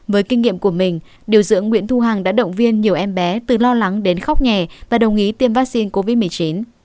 với kinh nghiệm của mình điều dưỡng nguyễn thu hằng đã động viên nhiều em bé từ lo lắng đến khóc nhè và đồng ý tiêm vaccine covid một mươi chín